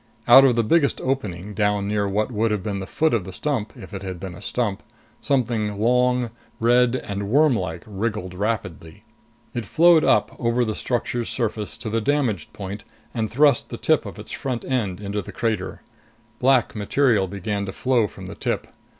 Out of the biggest opening, down near what would have been the foot of the stump if it had been a stump, something, long, red and wormlike wriggled rapidly. It flowed up over the structure's surface to the damaged point and thrust the tip of its front end into the crater. Black material began to flow from the tip.